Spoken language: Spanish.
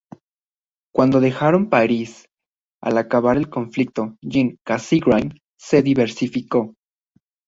Cuando dejaron París al acabar el conflicto, Jean Cassegrain se diversificó.